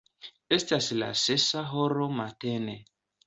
Estas la sesa horo matene.